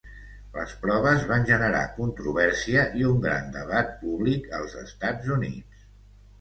Les proves van generar controvèrsia i un gran debat públic als Estats Units.